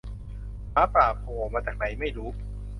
หมาป่าโผล่มาจากไหนไม่รู้